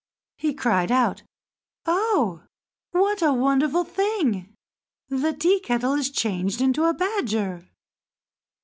He cried out: "Oh! what a wonderful thing! The Tea kettle is changed into a badger!"